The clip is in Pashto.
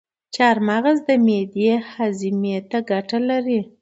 چارمغز د معدې هاضمي ته ګټه لري.